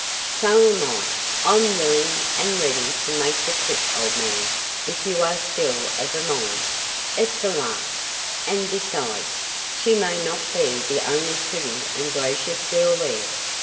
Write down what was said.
"So am I! I'm willing and ready to make the trip, old man, if you are still of a mind. It's a lark, and, besides, she may not be the only pretty and gracious girl there.